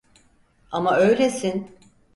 Ama öylesin.